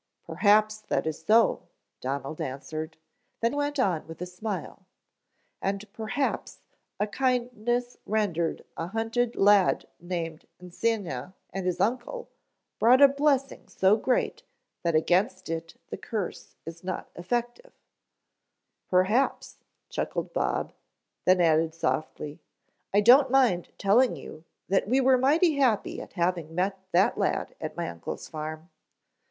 "Perhaps that is so," Donald answered, then went on with a smile, "And perhaps a kindness rendered a hunted lad named Yncicea and his uncle brought a blessing so great that against it the curse is not effective " "Perhaps," chuckled Bob, then added softly, "I don't mind telling you that we're mighty happy at having met that lad at my uncle's farm."